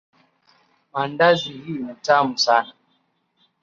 Maandazi hii ni tamu sana.